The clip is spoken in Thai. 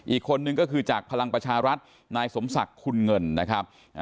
อีกคนนึงก็คือจากพลังประชารัฐนายสมศักดิ์คุณเงินนะครับ